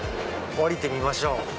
降りてみましょう。